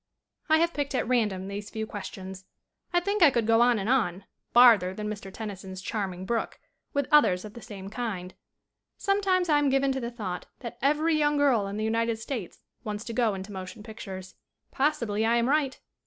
I have picked at random these few questions. I think I could go on and on, farther than Mr. Tennyson's charming brook, with others of the same kind. Sometimes I am given to the thought that every young girl in the United States wants to go into motion pictures. SCREEN ACTING 21 Possibly I am right.